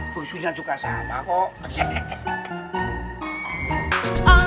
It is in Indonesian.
busunya juga sama kok